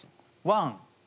「ワン」。